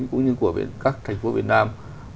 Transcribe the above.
cũng như của các thành phố việt nam